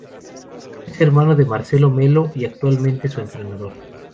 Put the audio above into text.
Es hermano de Marcelo Melo y actualmente su entrenador.